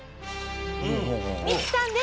ミキさんです。